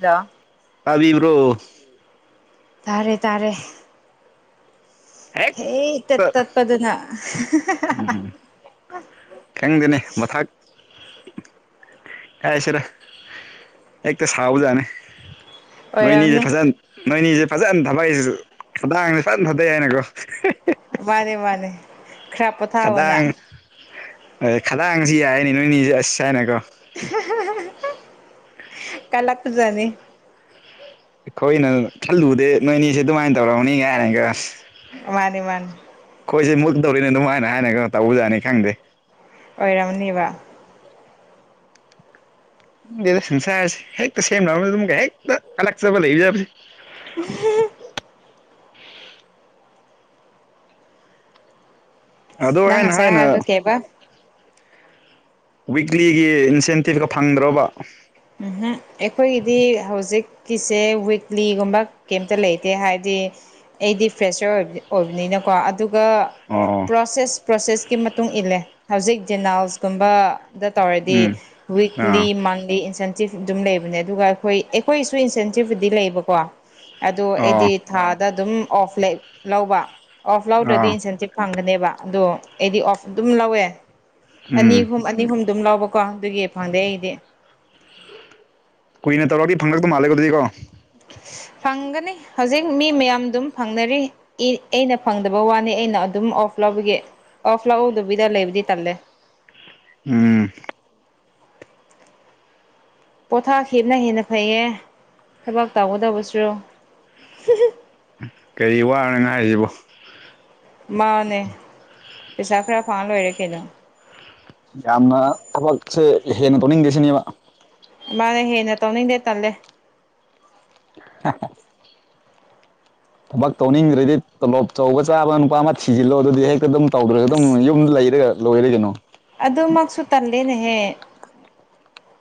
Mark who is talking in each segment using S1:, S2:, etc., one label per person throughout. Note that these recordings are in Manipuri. S1: ꯗ
S2: ꯑꯕꯤ ꯏꯕ꯭ꯔꯣ
S1: ꯇꯥꯔꯦ ꯇꯥꯔꯦ
S2: ꯍꯦꯛꯇ
S1: ꯍꯦ ꯇꯠ ꯇꯠꯄ ꯑꯗꯨꯅ
S2: ꯎ ꯈꯪꯗꯅꯦ ꯃꯊꯛ ꯑꯦꯁꯔ ꯍꯦꯛꯇ ꯁꯥꯎꯖꯥꯠꯅꯤ ꯅꯣꯏꯅꯤꯗꯣ
S1: ꯑꯣꯏꯔꯝꯅꯤ
S2: ꯐꯖꯟ꯫ ꯅꯣꯏꯅꯤꯁꯦ ꯐꯖꯅ ꯊꯕꯛ ꯈꯨꯗꯥꯡꯁꯦ ꯐꯖꯅ ꯊꯥꯗꯩ ꯍꯥꯏꯅꯀꯣ꯫
S1: ꯃꯥꯅꯦꯦ ꯃꯥꯅꯦꯦ
S2: ꯈꯗꯥꯡ ꯈꯗꯥꯡꯁꯤ ꯌꯥꯏꯅꯤ ꯅꯣꯏꯅꯤꯁꯦ ꯑꯁ ꯍꯥꯏꯅꯀꯣ꯫
S1: ꯀꯂꯛꯄꯖꯥꯠꯅꯤ꯫
S2: ꯑꯩꯈꯣꯏꯅ ꯈꯜꯂꯨꯗꯦ ꯅꯣꯏꯅꯤꯁꯦ ꯑꯗꯨꯃꯥꯏꯅ ꯇꯧꯔꯅꯤ ꯀꯥꯏꯅꯒ꯫
S1: ꯃꯥꯅꯤ ꯃꯥꯅꯤ
S2: ꯈꯣꯏ ꯃꯨꯛ ꯇꯧꯔꯤꯅ ꯑꯗꯨꯝꯃꯥꯏꯅ ꯍꯥꯏꯅꯒ ꯇꯧꯕꯖꯥꯠꯅꯤ ꯈꯪꯗꯦ꯫
S1: ꯑꯣꯏꯔꯝꯅꯤꯕ꯫
S2: ꯗꯦꯗ ꯁꯟꯁꯥꯔꯁꯤ ꯍꯦꯛꯇ ꯁꯦꯝꯅꯔꯕꯅꯤ ꯑꯗꯨꯝꯒ ꯍꯦꯛꯇ ꯀꯜꯂꯛꯆꯕ ꯂꯩꯖꯕꯁꯦ꯫
S1: [unintelligible]
S2: ꯑꯗꯨ
S1: ꯅꯪ
S2: ꯍꯥꯏꯅ
S1: ꯉꯁꯥꯏ
S2: ꯍꯥꯏꯅ꯫
S1: ꯍꯥꯏꯕꯗꯣ ꯀꯩꯕ
S2: ꯋꯤꯛꯂꯤꯒꯤ ꯏꯟꯁꯦꯟꯇꯤꯞꯀ ꯐꯪꯗ꯭ꯔꫭꯕ꯫
S1: ꯎ ꯑꯩꯈꯣꯏꯒꯤꯗꯤ ꯍꯧꯖꯤꯛ ꯀꯤꯁꯦ ꯋꯤꯛꯂꯤꯒꯨꯝꯕ ꯀꯩꯝꯇ ꯂꯩꯇꯦ ꯍꯥꯏꯗꯤ꯫ ꯑꯩꯗꯤ ꯐ꯭ꯔꯦꯁꯔ ꯑꯣꯏꯕꯅꯤꯅꯀꯣ ꯑꯗꯨꯒ
S2: ꯑꯣ
S1: ꯄ꯭ꯔꯣꯁꯦꯁ ꯄ꯭ꯔꯣꯁꯦꯁꯀꯤ ꯃꯇꯨꯡ ꯏꯜꯂꯦ ꯍꯧꯖꯤꯛ ꯦꯅꯥꯜꯁꯀꯨꯝꯕ ꯗ ꯇꯧꯔꯗꯤ
S2: ꯎꯝ ꯑꯥ
S1: ꯋꯤꯛꯂꯤ ꯃꯟꯂꯤ ꯏꯟꯁꯦꯟ ꯇꯤꯞ ꯑꯗꯨꯝ ꯂꯩꯕꯅꯦ ꯑꯗꯨꯒ ꯑꯩꯈꯣꯏ ꯑꯩꯈꯣꯏꯒꯤꯁꯨ ꯏꯟꯁꯦꯟꯇꯤꯞꯄꯨꯗꯤ ꯂꯩꯕꯀꯣ ꯑꯗꯣ
S2: ꯑꯣ
S1: ꯑꯩꯗꯤ ꯊꯥꯗ ꯑꯗꯨꯝ ꯑꯣꯐ ꯂꯧꯂꯧꯕ ꯑꯣꯐ ꯂꯧꯗ꯭ꯔꯗꯤ
S2: ꯑꯥ
S1: ꯏꯟꯁꯦꯟꯇꯤꯞ ꯐꯪꯒꯅꯦꯕ ꯑꯗꯣ ꯑꯩꯗꯤ ꯑꯣꯐ ꯑꯗꯨꯝ ꯂꯧꯋꯦ ꯑꯅꯤ
S2: ꯎꯝ
S1: ꯑꯍꯨꯝ ꯑꯅꯤ ꯑꯍꯨꯝ ꯑꯗꯨꯝ ꯂꯧꯕꯀꯣ ꯑꯗꯨꯒꯤ ꯐꯪꯗꯦ ꯑꯩꯒꯤꯗꯤ꯫
S2: ꯀꯨꯏꯅ ꯇꯔꯥꯛꯗꯤ ꯐꯪꯂꯛꯄ ꯃꯥꯜꯂꯦ ꯑꯗꯨꯗꯤꯀꯣ꯫
S1: ꯐꯪꯒꯅꯤ ꯍꯧꯖꯤꯛ ꯃꯤ ꯃꯌꯥꯝ ꯑꯗꯨꯝ ꯐꯪꯅꯔꯤ꯫ ꯑꯩꯅ ꯐꯪꯗꯕ ꯋꯥꯅꯤ ꯑꯩꯅ ꯑꯗꯨꯝ ꯑꯣꯐ ꯂꯧꯕꯒꯤ ꯑꯣꯐ ꯂꯧꯗꯕꯤꯗ ꯂꯩꯕꯗꯤ ꯇꯜꯂꯦ꯫
S2: ꯎꯝ
S1: ꯄꯣꯊꯥ ꯍꯦꯅ ꯍꯦꯟꯅ ꯐꯩꯌꯦ ꯊꯕꯛ ꯇꯧꯒꯗꯕꯁꯨ
S2: ꯀꯔꯤ ꯋꯥꯅꯣꯅꯦ ꯍꯥꯏꯗꯨꯕꯣ꯫
S1: ꯃꯥꯅꯦ ꯄꯩꯁꯥ ꯈꯔ ꯐꯥ ꯂꯣꯏꯔꯦ ꯀꯩꯅꯣ
S2: ꯌꯥꯝꯅ ꯊꯕꯛꯁꯦ ꯍꯦꯟꯅ ꯇꯧꯅꯤꯡꯗꯦ ꯁꯤꯅꯦꯕ꯫
S1: ꯃꯥꯅꯦ ꯍꯦꯟꯅ ꯇꯧꯅꯤꯡꯗꯦ ꯇꯜꯂꯦ꯫
S2: [unintelligible] ꯊꯕꯛ ꯇꯧꯅꯤꯡꯗ꯭ꯔꯗꯤ ꯇꯣꯂꯣꯞ ꯑꯆꯧꯕ ꯆꯥꯕ ꯅꯨꯄꯥ ꯑꯃ ꯊꯤꯖꯤꯜꯂꯣ ꯑꯗꯨꯗꯤ ꯍꯦꯛꯇ ꯑꯗꯨꯝ ꯇꯧꯗ꯭ꯔꯒ ꯑꯗꯨꯝ ꯌꯨꯝꯗ ꯂꯩꯔꯒ ꯂꯣꯏꯔꯦꯕ ꯀꯩꯅꯣ꯫
S1: ꯑꯗꯨꯃꯛꯁꯨ ꯇꯜꯂꯦꯅꯦꯍꯦ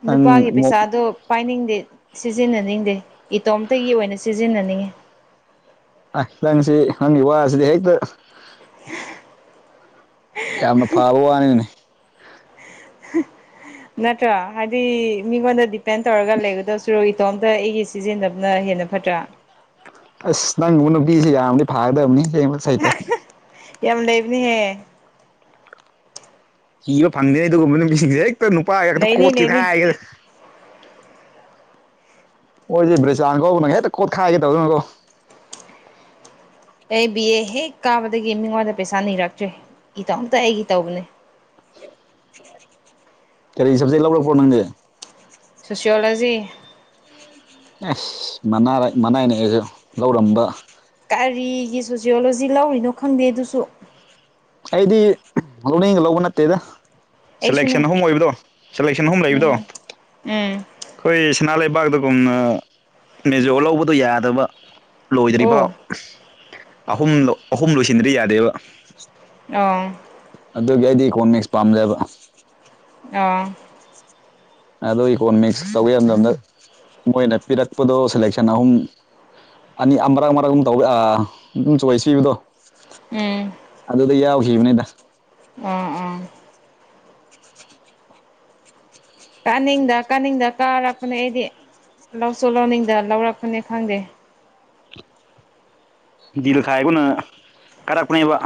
S2: ꯅꯪ
S1: ꯅꯨꯄꯥꯒꯤ ꯄꯩꯁꯥꯗꯣ ꯄꯥꯏꯅꯤꯡꯗꯦ ꯁꯤꯖꯤꯟꯅꯅꯤꯡꯗꯦ ꯏꯇꯣꯝꯇꯒꯤ ꯑꯣꯏꯅ ꯁꯤꯖꯤꯟꯅꯅꯤꯡꯉꯤ꯫
S2: ꯑ ꯅꯪꯁꯤ ꯅꯪꯒꯤ ꯋꯥꯁꯤꯗꯤ ꯍꯦꯛꯇ ꯌꯥꯝꯅ ꯐꯥꯕ ꯋꯥꯅꯤꯅꯦ꯫
S1: ꯅꯠꯇ꯭ꯔꯣ ꯍꯥꯏꯗꯤ ꯃꯤꯉꯣꯟꯗ ꯗꯤꯄꯦꯟ ꯇꯧꯔꯒ ꯂꯩꯒꯗ ꯁꯔꯨ ꯑꯇꯣꯝꯇ ꯑꯩꯒꯤ ꯁꯤꯖꯤꯟꯅꯕꯅ ꯍꯦꯟꯅ ꯐꯠꯇ꯭ꯔꯥ
S2: ꯑꯁ ꯅꯪꯕꯨ ꯅꯨꯄꯤꯁꯤ ꯌꯥꯝꯔꯗꯤ ꯐꯥꯒꯗꯕꯅꯤ ꯁꯩꯇ
S1: ꯌꯥꯝ ꯂꯩꯕꯅꯤꯍꯦ꯫
S2: ꯊꯤꯕ ꯐꯪꯗꯦꯅꯤ ꯑꯗꯨꯒꯨꯝꯕ ꯅꯨꯄꯤꯁꯤꯡꯁꯦ ꯍꯦꯛꯇ ꯅꯨꯄꯥꯒ ꯍꯛꯇ
S1: ꯂꯩꯅꯤ
S2: ꯀꯣꯠꯀꯦ
S1: ꯂꯩꯅꯤ
S2: ꯍꯥꯏꯒꯦꯗ ꯃꯣꯌꯖꯦ ꯕꯔꯤꯖꯥꯟꯥꯡ ꯀꯧꯕꯧꯕ ꯅꯪ ꯍꯦꯛꯇ ꯀꯣꯠ ꯈꯏꯒꯦ ꯇꯧꯗꯅꯀꯣ
S1: ꯑꯩ ꯕꯤ ꯑꯦ ꯍꯦꯛ ꯀꯥꯕꯗꯒꯤ ꯃꯤꯉꯣꯟꯗ ꯄꯩꯁꯥ ꯅꯤꯔꯛꯇ꯭ꯔꯦ ꯏꯇꯣꯝꯇ ꯑꯩꯒꯤ ꯇꯧꯕꯅꯦ꯫
S2: ꯀꯔꯤ ꯁꯞꯖꯦꯛ ꯂꯧꯔꯛ ꯄꯣ ꯅꯪꯗꯤ?
S1: ꯁꯣꯁꯤꯌꯣꯂꯣꯖꯤ꯫
S2: ꯑꯁ ꯃꯅꯥ ꯃꯅꯥꯏ ꯅ ꯑꯩꯁꯨ ꯂꯧꯔꯝꯕ
S1: ꯀꯔꯤꯒꯤ ꯁꯣꯁꯤꯌꯣꯂꯣꯖꯤ ꯂꯧꯔꯤꯅꯣ ꯈꯪꯗꯦ ꯑꯗꯨꯁꯨ꯫
S2: ꯑꯩꯗꯤ ꯂꯧꯅꯤꯡꯒ ꯂꯧꯕ ꯅꯠꯇꯦꯗ꯫
S1: ꯑꯩꯁꯨꯅꯦ
S2: ꯁꯦꯂꯦꯛꯁꯟ ꯑꯍꯨꯝ ꯑꯣꯏꯕꯗꯣ ꯁꯦꯂꯦꯛꯁꯟ ꯑꯍꯨꯝ ꯂꯩꯕꯗꯣ
S1: ꯎꯝ ꯎꯝ
S2: ꯑꯩꯈꯣꯏ ꯁꯅꯥ ꯂꯩꯕꯥꯛꯇꯒꯨꯝꯅ ꯃꯦꯖꯣ ꯂꯧꯕꯗꯣ ꯌꯥꯗꯕ ꯂꯣꯏꯗ꯭ꯔꯤꯕꯥꯎ
S1: ꯑꯣ
S2: ꯑꯍꯨꯝ ꯑꯍꯨꯝ ꯂꯣꯏꯁꯤꯟꯗꯗ꯭ꯔꯤ ꯌꯥꯗꯦꯕ꯫
S1: ꯑꯥ꯫
S2: ꯑꯗꯨꯒꯤ ꯑꯩꯗꯤ ꯏꯀꯣꯅꯣꯃꯤꯛꯁ ꯄꯥꯝꯂꯦꯕ꯫
S1: ꯑꯥ꯫
S2: ꯑꯗꯣ ꯏꯀꯣꯅꯣꯃꯤꯛꯁ ꯇꯧꯒꯦ ꯃꯇꯝꯗ ꯃꯣꯏꯅ ꯄꯤꯔꯛꯄꯗꯣ ꯁꯦꯂꯦꯛꯁꯟ ꯑꯍꯨꯝ ꯑꯅꯤ ꯑꯃ ꯃꯔꯛ ꯃꯔꯛ ꯑꯃꯝ ꯇꯧꯕꯤꯥ ꯑꯗꯨꯝ ꯆꯣꯏꯁ ꯄꯤꯕꯗꯣ
S1: ꯎꯝ
S2: ꯑꯗꯨꯗ ꯌꯥꯎꯈꯤꯕꯅꯤꯗ꯫
S1: ꯎꯝ ꯎꯝ ꯀꯥꯅꯤꯡꯗ ꯀꯥꯅꯤꯡꯗ ꯀꯥꯔꯛꯄꯅꯦ ꯑꯩꯗꯤ ꯂꯧꯁꯨ ꯂꯧꯅꯤꯡꯗ ꯂꯧꯔꯛꯄꯅꯤ ꯈꯪꯗꯦ꯫
S2: ꯗꯤꯜꯈꯥꯏꯈꯅ ꯀꯥꯔꯛꯄꯅꯦꯕ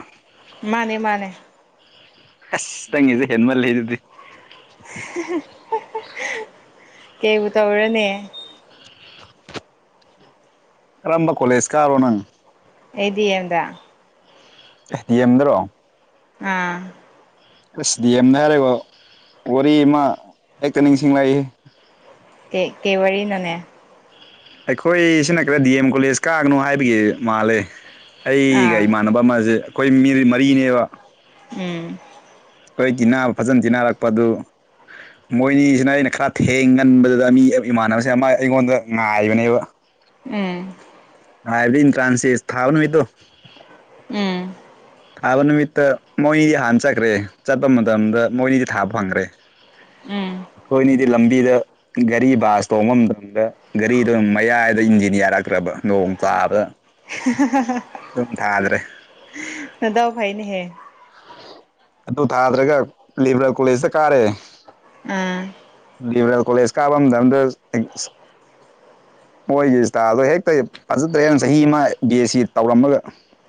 S1: ꯃꯥꯅꯦ ꯃꯥꯅꯦ꯫
S2: ꯑꯁ ꯅꯪꯒꯤꯁꯦ ꯍꯦꯟꯃꯜꯂꯦ ꯑꯗꯨꯗꯤ꯫
S1: [unintelligible] ꯀꯩꯕꯨ ꯇꯧꯔꯨꯅꯤ
S2: ꯀꯔꯝꯕ ꯀꯣꯂꯦꯖ ꯀꯥꯕꯔꯣ ꯅꯪ꯫
S1: ꯑꯩ ꯗꯤꯑꯦꯝꯗ
S2: ꯑꯦ ꯗꯤ ꯑ‌ꯦꯝ ꯗꯔꯣ꯫
S1: ꯑꯥ
S2: ꯑꯁ ꯗꯤ ꯑꯦꯝꯗ ꯍꯥꯏꯔꯒ ꯋꯥꯔꯤ ꯑꯃ ꯍꯦꯛꯇ ꯅꯤꯡꯁꯤꯡꯂꯛꯏꯍꯦ
S1: ꯀꯦ ꯀꯩ ꯋꯥꯔꯤ ꯅꯣꯅꯦ
S2: ꯑꯩꯈꯣꯏ ꯁꯤꯅ ꯈꯔ ꯗꯤ ꯑꯦꯝ ꯀꯣꯂꯦꯖ ꯀꯥꯒꯅꯣ ꯍꯥꯏꯕꯒꯤ ꯃꯥꯜꯂꯦ
S1: ꯑꯥ
S2: ꯑꯩꯒ ꯏꯃꯥꯟꯅꯕ ꯑꯃꯁꯦ ꯑꯩꯈꯣꯏ ꯃꯤ ꯃꯔꯤꯅꯦꯕ꯫
S1: ꯎꯝ
S2: ꯑꯩꯈꯣꯏ ꯇꯤꯟꯅꯕ ꯐꯖꯅ ꯇꯤꯟꯅꯔꯛꯄꯗꯨ ꯃꯣꯏꯅꯤꯁꯤꯅ ꯑꯩꯅ ꯈꯔ ꯊꯦꯡꯒꯟꯕꯗꯨꯗ ꯃꯤ ꯏꯃꯥꯟꯅꯕꯁꯦꯅ ꯑꯃ ꯑꯩꯉꯣꯟꯗ ꯉꯥꯏꯕꯅꯦꯕ꯫
S1: ꯎꯝ꯫
S2: ꯍꯥꯏꯕꯗꯤ ꯏꯟꯇ꯭ꯔꯥꯟꯁꯇꯦꯁ ꯊꯥꯕ ꯅꯨꯃꯤꯠꯗꯣ
S1: ꯎꯝ꯫
S2: ꯊꯥꯕ ꯅꯨꯃꯤꯠꯇ ꯃꯣꯏꯅꯤꯗꯤ ꯍꯥꯟꯅ ꯆꯠꯈ꯭ꯔꯦ ꯆꯠꯄ ꯃꯇꯝꯗ ꯃꯣꯏꯅꯤꯗꯤ ꯊꯥꯕ ꯐꯪꯈ꯭ꯔꯦ꯫
S1: ꯎꯝ
S2: ꯑꯩꯈꯣꯏꯅꯤꯗꯤ ꯂꯝꯕꯤꯗ ꯒꯥꯔꯤ ꯕꯥꯁ ꯇꯣꯡꯕ ꯃꯇꯝꯗ ꯒꯥꯔꯤꯗꯨꯣ ꯃꯌꯥꯏꯗ ꯏꯟꯖꯤꯟ ꯌꯥꯔꯛꯇ꯭ꯔꯕ ꯅꯣꯡ ꯇꯥꯕ
S1: [unintelligible]
S2: ꯑꯗꯨꯝ ꯊꯥꯗ꯭ꯔꯦ꯫
S1: ꯅꯗꯥꯎ ꯐꯩꯅꯦꯍꯦ
S2: ꯑꯗꯨ ꯊꯥꯗ꯭ꯔꯒ ꯂꯤꯕꯔꯦꯜ ꯀꯣꯂꯦꯖꯇ ꯀꯥꯔꯦ
S1: ꯎꯝ
S2: ꯂꯤꯕꯔꯦꯜ ꯀꯣꯂꯦꯖ ꯀꯥꯕ ꯃꯇꯝꯗ ꯃꯣꯏꯒꯤ ꯏꯁꯇꯥꯜꯗꯣ ꯍꯦꯛꯇ ꯐꯖꯗ꯭ꯔꯦ ꯆꯍꯤ ꯑꯃ ꯕꯤ ꯑꯦꯁ ꯁꯤ ꯇꯧꯔꯝꯃꯒ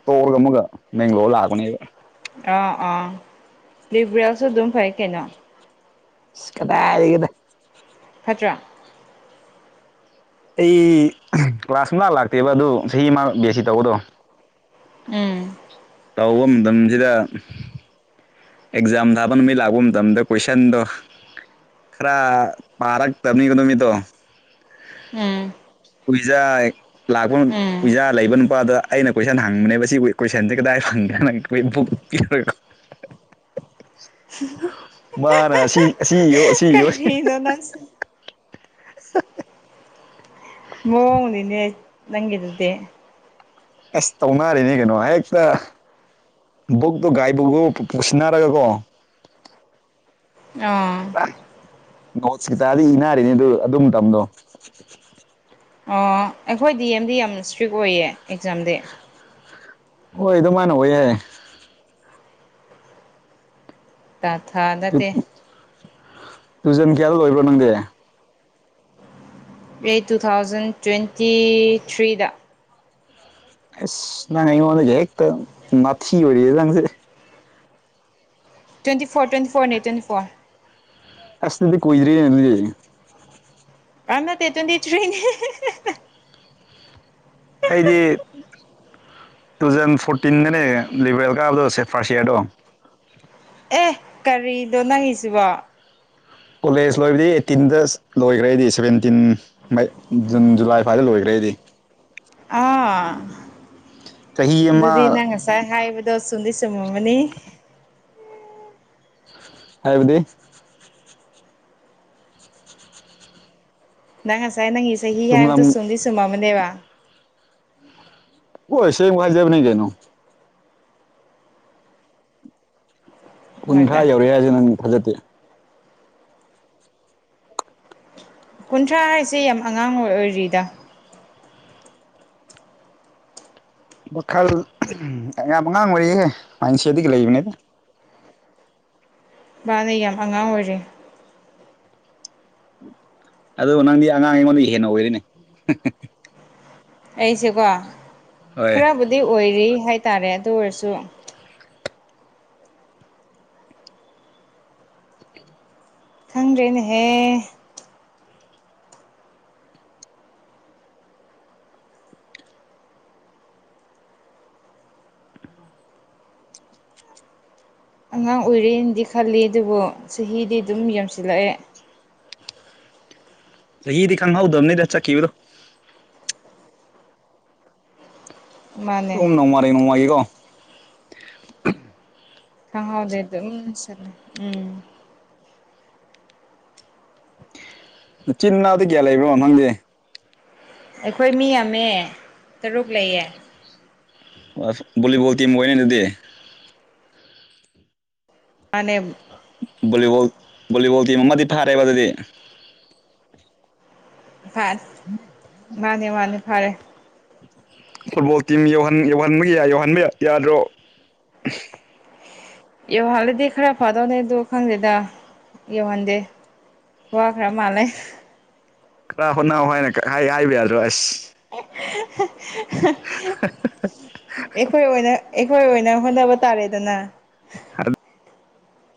S2: [unintelligible] ꯑꯃꯒ ꯕꯦꯡꯒꯂꯣꯔ ꯂꯥꯛꯄꯅꯦꯕ
S1: ꯑꯥ ꯑꯥ ꯂꯤꯕ꯭ꯔꯦꯜꯁꯨ ꯑꯗꯨꯝ ꯐꯩ ꯀꯩꯅꯣ
S2: ꯑꯁ ꯀꯗꯥꯏꯗꯒꯤꯅꯣ
S1: ꯐꯠꯇ꯭ꯔꯥ
S2: ꯑꯩ ꯀ꯭ꯂꯥꯁ ꯁꯨꯡꯂꯥꯛ ꯂꯥꯛꯇꯦꯕ ꯑꯗꯨ ꯆꯍꯤ ꯑꯃ ꯕꯤ ꯑꯦꯁ ꯁꯤ ꯇꯧꯕꯗꯣ
S1: ꯎꯝ
S2: ꯇꯧꯕ ꯃꯇꯝꯁꯤꯗ ꯑꯦꯛꯖꯥꯝ ꯊꯥꯕ ꯅꯨꯃꯤꯠ ꯂꯥꯛꯄ ꯃꯇꯝꯗ ꯀꯣꯏꯁꯟꯗꯣ ꯈꯔ ꯄꯥꯔꯛꯇꯝꯅꯤ ꯅꯨꯃꯤꯠꯇꯣ
S1: ꯎꯝ
S2: ꯍꯨꯏꯖꯥꯏ ꯂꯥꯒꯣꯟ
S1: ꯎꯝ
S2: [unintelligible] ꯂꯩꯕ ꯅꯨꯄꯥꯗ ꯑꯩꯅ ꯀꯣꯏꯁꯟ ꯍꯪꯕꯅꯦꯕ ꯁꯤ ꯀꯣꯏꯁꯟꯁꯦ ꯀꯗꯥꯏ ꯐꯪꯒꯦꯅ [unintelligible] ꯃꯥꯅ ꯑꯁꯤ ꯑꯁꯤ ꯏꯌꯣ ꯑꯁꯤ ꯏꯌꯣꯌꯦ
S1: [unintelligible]
S2: [inaudible]
S1: ꯃꯋꯣꯡ ꯑꯃꯅꯤꯅꯦ ꯅꯪꯒꯤꯗꯨꯗꯤ
S2: ꯑꯁ ꯇꯧꯅꯔꯤꯅꯤ ꯀꯩꯅꯣ ꯍꯦꯛꯇ ꯕꯨꯛꯇꯣ ꯒꯥꯏꯗꯕꯨꯒ ꯄꯨꯁꯤꯟꯅꯔꯒꯀꯣ
S1: ꯑꯥ
S2: ꯅꯣꯠꯁ [unintelligible] ꯏꯅꯥꯔꯤꯅꯤ ꯑꯗꯨ ꯑꯗꯨ ꯃꯇꯝꯗꯣ
S1: ꯑꯣ ꯑꯩꯈꯣꯏ ꯗꯤ ꯑꯦꯝꯗꯤ ꯌꯥꯝ ꯏꯁꯇ꯭ꯔꯤꯛ ꯑꯣꯏꯌꯦ ꯑꯦꯛꯖꯥꯝꯗꯤ
S2: ꯍꯣꯏ ꯑꯗꯨꯃꯥꯏꯅ ꯑꯣꯏꯌꯦ
S1: ꯊꯥ-ꯊꯥ
S2: ꯇꯨ
S1: ꯅꯠꯇꯦ
S2: ꯇꯨꯖꯟ ꯀꯌꯥꯗ ꯂꯣꯢꯕ꯭ꯔꯣ ꯅꯪꯗꯤ
S1: ꯑꯩ ꯇꯨꯊꯥꯎꯖꯟ ꯇ꯭ꯋꯦꯟꯇꯤ ꯊ꯭ꯔꯤꯗ꯫
S2: ꯑꯦꯁ ꯅꯪ ꯑꯩꯉꯣꯟꯗ ꯍꯦꯛꯛꯇ ꯃꯥꯊꯤ ꯑꯣꯏꯔꯤꯗ ꯅꯪꯁꯤꯗꯤ꯫
S1: ꯇ꯭ꯋꯦꯟꯇꯤ ꯐꯣꯔ ꯇ꯭ꯋꯦꯟꯇꯤ ꯐꯣꯔꯅꯦ ꯇ꯭ꯋꯦꯟꯇꯤ ꯐꯣꯔ꯫
S2: ꯑꯁ ꯅꯪꯗꯤ ꯀꯨꯏꯗꯔꯤꯌꯦ ꯑꯗꯨꯗꯤ꯫
S1: ꯑ ꯅꯠꯇꯦ ꯇꯋꯦꯟꯇꯤ ꯊ꯭ꯔꯤꯅꯦ꯫
S2: ꯑꯩꯗꯤ꯫ ꯇꯨꯖꯟ ꯐꯣꯔꯇꯤꯟꯗꯅꯦ ꯂꯤꯕꯔꯦꯜ ꯀꯥꯕꯗꯣ ꯁꯦ ꯐꯥꯔꯁ ꯏꯌꯔꯗꯣ꯫
S1: ꯑꯦ ꯀꯔꯤꯗꯣ ꯅꯪꯒꯤꯁꯤꯕꯣ꯫
S2: ꯀꯣꯂꯦꯖ ꯂꯣꯏꯕꯗꯒꯤ ꯑꯦꯇꯤꯟꯗꯁ ꯂꯣꯏꯒ꯭ꯔꯦ ꯑꯩꯗꯤ ꯁꯕꯦꯟꯇꯤꯟ꯫ ꯃꯥꯏ ꯖꯨꯟ ꯖꯨꯂꯥꯏ ꯐ꯭ꯋꯥꯏꯗ ꯂꯣꯏꯈ꯭ꯔꯦ ꯑꯩꯗꯤ꯫
S1: ꯑꯥ
S2: ꯆꯍꯤ ꯑꯃ
S1: ꯑꯗꯨꯗꯤ ꯅꯪ ꯉꯁꯥꯏ ꯍꯥꯏꯕꯗꯣ ꯆꯨꯝꯗꯤ ꯆꯨꯝꯃꯝꯃꯅꯤ
S2: ꯍꯥꯏꯕꯗꯤ
S1: ꯅꯪ ꯉꯁꯥꯏ ꯅꯪꯒꯤ ꯆꯍꯤ ꯍꯥꯏꯕꯗꯣ
S2: ꯆꯨꯝꯂꯝ
S1: ꯆꯨꯝꯗꯤ ꯆꯨꯝꯃꯝꯃꯅꯦꯕ
S2: ꯑꯣ ꯑꯁꯦꯡꯕ ꯍꯥꯏꯖꯕꯅꯦ ꯀꯩꯅꯣ ꯀꯨꯟꯊ꯭ꯔꯥ
S1: ꯍꯣꯏꯗ
S2: ꯌꯧꯔꯦ ꯍꯥꯏꯁꯦ ꯅꯪ ꯊꯥꯖꯗꯦ
S1: ꯀꯨꯟꯊ꯭ꯔꯥ ꯍꯥꯏꯁꯤ ꯌꯥꯝ ꯑꯉꯥꯡ ꯑꯣꯏ ꯑꯣꯏꯔꯤꯗ
S2: ꯋꯥꯈꯜ ꯌꯥꯝ ꯑꯉꯥꯡ ꯑꯣꯢꯔꯤꯌꯦ ꯃꯥꯏꯟꯁꯦꯗꯒꯤ ꯂꯩꯕꯅꯤꯗ
S1: ꯃꯥꯅꯦ ꯌꯥꯝ ꯑꯉꯥꯡ ꯑꯣꯏꯔꯤ
S2: ꯑꯗꯨꯕꯣ ꯅꯪꯗꯤ ꯑꯉꯥꯡ ꯑꯩꯉꯣꯟꯗꯩ ꯍꯦꯟꯅ ꯑꯣꯏꯔꯤꯅꯦ
S1: ꯑꯩꯁꯦꯀꯣ
S2: ꯍꯣꯏ
S1: ꯈꯔꯕꯨꯗꯤ ꯑꯣꯏꯔꯤ ꯍꯥꯏꯇꯥꯔꯦ ꯑꯗꯨ ꯑꯣꯏꯔꯁꯨ꯫ ꯈꯪꯗ꯭ꯔꯦꯅꯦꯍꯦ꫰꫰ ꯑꯉꯥꯡ ꯑꯣꯏꯔꯤꯅꯗꯤ ꯈꯜꯂꯤ ꯑꯗꯨꯕꯨ ꯆꯍꯤꯗꯤ ꯑꯗꯨꯝ ꯌꯥꯝꯁꯤꯜꯂꯛꯑꯦ꯫
S2: ꯆꯍꯤꯗꯤ ꯈꯪꯍꯧꯗꯝꯅꯦꯗ ꯆꯠꯈꯤꯕꯗꯨ꯫
S1: ꯃꯥꯅꯦ
S2: ꯑꯗꯨꯨꯝ ꯅꯣꯡ ꯃꯒꯤ ꯅꯣꯡ ꯃꯥꯒꯤꯀꯣ꯫
S1: ꯈꯪꯍꯧꯗꯦ ꯑꯗꯨꯝ ꯆꯠꯂꯦ ꯎꯝ꯫
S2: ꯏꯆꯤꯟꯅꯥꯎꯗꯤ ꯀꯌꯥ ꯂꯩꯕ꯭ꯔꯣ ꯅꯪꯗꯤ꯫
S1: ꯑꯩꯈꯣꯏ ꯃꯤ ꯌꯥꯝꯃꯦ ꯇꯔꯨꯛ ꯂꯩꯌꯦ꯫
S2: ꯑꯣ ꯕꯣꯂꯤꯕꯣꯜ ꯇꯤꯝ ꯑꯣꯏꯌꯦ ꯑꯗꯨꯗꯤ꯫
S1: ꯃꯥꯅꯦꯝ꯫
S2: ꯕꯣꯂꯤꯕꯣꯜ ꯕꯣꯂꯤꯕꯣꯜ ꯇꯤꯝ ꯑꯃꯗꯤ ꯐꯥꯔꯦꯕ ꯑꯗꯨꯗꯤ꯫
S1: [unintelligible] ꯃꯥꯅꯦ ꯃꯥꯅꯦ ꯐꯔꯦ꯫
S2: ꯐꯨꯠꯕꯣꯜ ꯇꯤꯝ ꯌꯧꯍꯟ ꯌꯧꯍꯟꯕꯒꯤ ꯌꯧꯍꯟꯕ ꯌꯥꯗ꯭ꯔꯣ꯫
S1: ꯌꯣꯍꯜꯂꯗꯤ ꯈꯔ ꯐꯗꯧꯅꯦ ꯑꯗꯨ ꯈꯪꯗꯦꯗ ꯌꯣꯍꯟꯗꯦ꯫ ꯋꯥꯈꯔ ꯃꯥꯜꯂꯦ꯫
S2: ꯈꯔ ꯍꯣꯠꯅꯥꯎ ꯍꯥꯏꯅ ꯍꯥꯏꯅ ꯍꯥꯏꯕ ꯌꯥꯗ꯭ꯔꯣ ꯑꯁ꯫
S1: [unintelligible]
S2: [unintelligible]
S1: ꯑꯩꯈꯣꯏ ꯑꯣꯏꯅ ꯑꯩꯈꯣꯢ ꯑꯣꯏꯅ ꯍꯣꯠꯅꯕ ꯇꯥꯔꯦꯗꯅ꯫
S2: [unintelligible]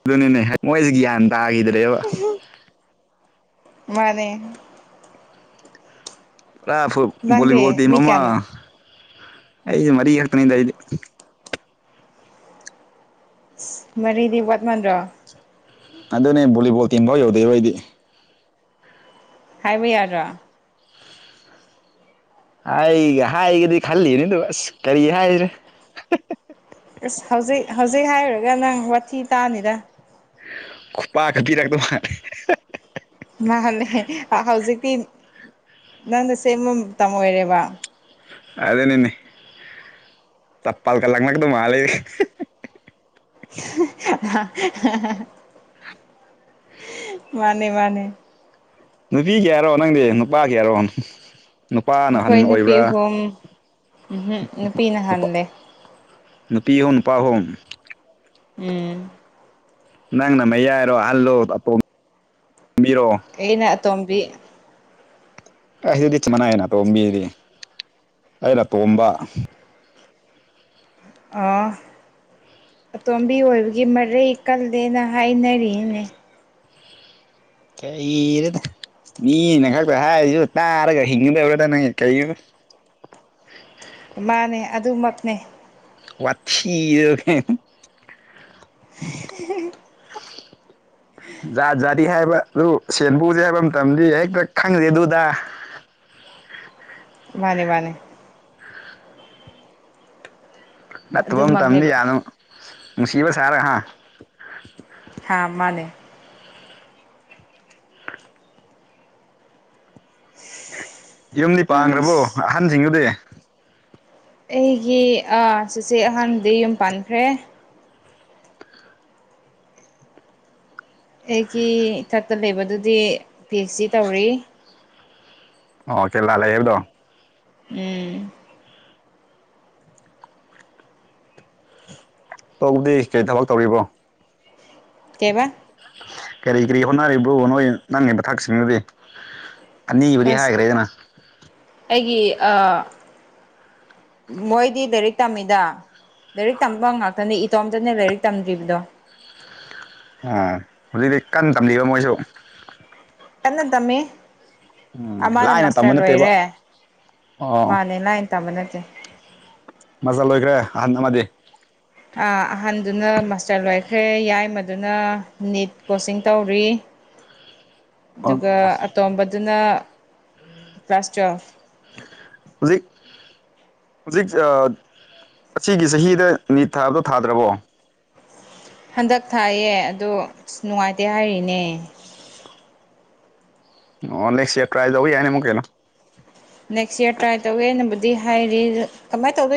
S2: ꯑꯗꯨꯅꯤꯅꯦ ꯃꯣꯏꯁꯦ ꯒ꯭ꯌꯥꯟ ꯇꯥꯈꯤꯗ꯭ꯔꯦꯕ꯫
S1: [unintelligible] ꯃꯥꯅꯦ꯫
S2: ꯄꯨꯔꯥ ꯐꯨꯠ
S1: ꯅꯪꯗꯤ
S2: ꯕꯣꯂꯤꯕꯣꯜꯗꯤ
S1: ꯃꯤ
S2: ꯑꯃꯥ
S1: ꯀꯌꯥꯅꯣ
S2: ꯑꯩꯒ ꯃꯔꯤ ꯈꯥꯛꯇꯅꯤꯗ ꯑꯩꯗꯤ꯫
S1: ꯃꯔꯤꯗꯤ ꯋꯥꯠ ꯃꯟꯗ꯭ꯔꯣ꯫
S2: ꯑꯗꯨꯅꯦ ꯕꯣꯂꯤꯕꯣꯜ ꯇꯤꯝꯕꯧ ꯌꯧꯗꯦꯕ ꯑꯩꯗꯤ꯫
S1: ꯍꯥꯏꯕ ꯌꯥꯗ꯭ꯔꯣ꯫
S2: ꯍꯥꯏ ꯍꯥꯏꯒꯦꯗꯤ ꯈꯜꯂꯤꯅꯦ ꯑꯗꯨꯒ ꯑꯁ ꯀꯔꯤ ꯍꯥꯏꯁꯤꯔ꯫
S1: ꯑꯁ ꯍꯧꯖꯤꯛ ꯍꯧꯖꯤꯛ ꯍꯥꯏꯔꯨꯔꯒ ꯅꯪ ꯋꯥꯊꯤ ꯇꯥꯅꯤꯗ꯫
S2: ꯈꯨꯄꯥꯛꯀ ꯄꯤꯔꯛꯇꯧ ꯃꯥꯜꯂꯦ꯫
S1: ꯃꯥꯅꯦ ꯍꯧꯖꯤꯛꯇꯤ ꯅꯪꯅ ꯁꯦꯝꯕ ꯃꯇꯝ ꯑꯣꯏꯔꯦꯕ
S2: ꯑꯗꯨꯅꯤꯅꯦ ꯆꯄꯥꯜꯀ ꯂꯪꯂꯛꯀꯗꯧ ꯃꯥꯜꯂꯦ
S1: ꯃꯥꯅꯦ ꯃꯥꯅꯦ
S2: ꯅꯨꯄꯤ ꯀꯌꯥꯔꯣ ꯅꯪꯗꯤ ꯅꯨꯄꯥ ꯀꯌꯥ ꯍꯥꯏꯔꯣ ꯅꯨꯄꯥ ꯅꯍꯟ
S1: ꯑꯩꯈꯣꯏ ꯅꯨꯄꯤ
S2: ꯑꯣꯏꯕ꯭ꯔꯥ
S1: ꯑꯍꯨꯝ ꯎꯝꯍꯨꯝ ꯅꯨꯄꯤꯅ
S2: ꯅꯨꯄꯥ
S1: ꯍꯜꯂꯦ
S2: ꯅꯨꯄꯤ ꯍꯨꯝ ꯅꯨꯄꯥ ꯑꯍꯨꯝ
S1: ꯎꯝ
S2: ꯅꯪꯅ ꯃꯌꯥꯏꯔꯣ ꯑꯍꯜꯂꯣ ꯑꯇꯣꯝꯕꯤꯔꯣ
S1: ꯑꯦꯩꯅ ꯇꯣꯝꯕꯤ
S2: ꯑꯩꯁꯤꯗꯤ ꯆꯞ ꯃꯥꯟꯅꯩꯅ ꯑꯇꯣꯝꯕꯤꯗꯤ ꯑꯩꯅ ꯑꯇꯣꯝꯕ
S1: ꯑ ꯑꯇꯣꯝꯕꯤ ꯑꯣꯏꯕꯒꯤ ꯃꯔꯩ ꯀꯜꯂꯦꯅ ꯍꯥꯏꯅꯔꯤꯅꯦ
S2: ꯀꯩꯔꯗ ꯃꯤꯅ ꯈꯛꯇ ꯍꯥꯏꯔꯤꯁꯨ ꯇꯥꯔꯒ ꯍꯤꯡꯒꯗꯕ꯭ꯔꯗ ꯅꯪ ꯀꯩꯅꯣꯗ꯫
S1: ꯃꯥꯅꯦ ꯑꯗꯨꯃꯛꯅꯦ꯫
S2: ꯋꯥꯊꯤꯗꯣ [unintelligible] ꫰꫰
S1: [unintelligible] [unintelligible]
S2: ꯖꯥꯠ ꯖꯥꯠꯗꯤ ꯍꯥꯏꯕ ꯑꯗꯨ ꯁꯦꯟꯕꯨꯁꯦ ꯍꯥꯏꯕ ꯃꯇꯝꯗꯤ ꯍꯦꯛꯇ ꯈꯪꯗꯦ ꯑꯗꯨꯗ꯫
S1: ꯃꯥꯅꯦ ꯃꯥꯅꯦ꯫
S2: ꯅꯇꯣꯝ ꯇꯝꯕ
S1: ꯑꯗꯨꯃꯛꯅꯦꯕ
S2: ꯌꯥꯅꯕ ꯅꯨꯡꯁꯤꯕ ꯁꯥꯔꯒ ꯍꯥ꯫
S1: ꯍꯥꯥ ꯃꯥꯅꯦ꯫
S2: [inaudible] ꯌꯨꯝꯗꯤ ꯄꯥꯡꯈ꯭ꯔꯕꯣ
S1: ꯑꯁ
S2: ꯑꯍꯟꯁꯤꯡꯗꯨꯗꯤ꯫
S1: ꯑꯩꯒꯤ ꯑ ꯆꯦꯆꯦ ꯑꯍꯟꯗꯤ ꯌꯨꯝ ꯄꯥꯟꯈ꯭ꯔꯦ ꯑꯩꯒꯤ ꯏꯊꯛꯇ ꯂꯩꯕꯗꯨꯗꯤ ꯄꯤ ꯑꯩꯁ ꯗꯤ ꯇꯧꯔꯤ
S2: ꯑꯣ ꯀꯦꯂꯥ ꯂꯩꯌꯦꯕꯗꯣ
S1: ꯎꯝ
S2: ꯇꯣꯛꯗꯤ ꯀꯩ ꯊꯕꯛ ꯇꯧꯔꯤꯕꯣ
S1: ꯀꯩꯕꯥ
S2: ꯀꯔꯤ ꯀꯔꯤ ꯍꯣꯠꯅꯔꯤꯕ꯭ꯔꯣ ꯅꯣꯏ ꯅꯪꯒꯤ ꯃꯊꯛꯁꯤꯡꯗꯨꯗꯤ ꯑꯅꯤꯕꯨꯗꯤ
S1: ꯑꯁ
S2: ꯍꯥꯏꯒ꯭ꯔꯦꯗꯅ
S1: ꯑꯩꯒꯤ ꯑ ꯃꯣꯏꯗꯤ ꯂꯥꯏꯔꯤꯛ ꯇꯝꯃꯤꯗ ꯂꯥꯏꯔꯤꯛ ꯇꯝꯕ ꯉꯥꯛꯇꯅꯦ ꯏꯇꯣꯝꯇꯅꯦ ꯂꯥꯏꯔꯤꯛ ꯇꯝꯗ꯭ꯔꯤꯕꯗꯣ
S2: ꯑꯣ ꯍꯧꯖꯤꯛꯇꯤ ꯀꯟꯅ ꯇꯝꯂꯤꯕ ꯃꯣꯏꯁꯨ
S1: ꯀꯟꯅ ꯇꯝꯃꯤ
S2: ꯎꯝ
S1: ꯑꯃꯅ
S2: ꯂꯥꯏꯅ ꯇꯝꯕ
S1: ꯃꯥꯁꯇꯔ
S2: ꯅꯠꯇꯦꯕ
S1: ꯂꯣꯏꯔꯦ
S2: ꯑꯣ
S1: ꯃꯥꯅꯦ ꯂꯥꯏꯟ ꯇꯥꯕ ꯅꯠꯇꯦ
S2: ꯃꯆꯥꯥ ꯂꯣꯏꯈ꯭ꯔꯦ ꯑꯍꯟ ꯑꯃꯗꯤ
S1: ꯑꯍꯟꯗꯨꯅ ꯃꯥꯁꯇꯔ ꯂꯣꯏꯈ꯭ꯔꯦ ꯌꯥꯏꯃꯗꯨꯅ ꯅꯤꯠ ꯀꯣꯆꯤꯡ ꯇꯧꯔꯤ
S2: ꯑꯣ
S1: ꯑꯗꯨꯒ ꯑꯇꯣꯝꯕꯗꯨꯅ ꯀ꯭ꯂꯥꯁ ꯇ꯭ꯋꯦꯜꯄ
S2: ꯍꯧꯖꯤꯛ ꯍꯧꯖꯤꯛ ꯑ ꯑꯁꯤꯒꯤ ꯆꯍꯤꯗ ꯅꯤꯠ ꯊꯥꯕꯗꯣ ꯊꯥꯗ꯭ꯔꯕꯣ?
S1: ꯍꯟꯗꯛ ꯊꯥꯏꯌꯦ ꯑꯗꯣ ꯑꯁ ꯅꯨꯡꯉꯥꯏꯇꯦ ꯍꯥꯏꯔꯤꯅꯦ꯫
S2: ꯑꯣ ꯅꯦꯛꯁ ꯌꯔ ꯇ꯭ꯔꯥꯏ ꯇꯧꯕ ꯌꯥꯅꯤ ꯑꯃꯨ ꯀꯩꯅꯣ꯫
S1: ꯅꯦꯛꯁ ꯏꯔ ꯇ꯭ꯔꯥꯏ ꯇꯧꯋꯦ ꯑꯩꯅꯕꯨꯗꯤ ꯍꯥꯏꯔꯤ ꯀꯃꯥꯏꯅ ꯇꯧꯗꯣꯏ